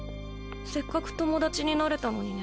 せっかく友達になれたのにね。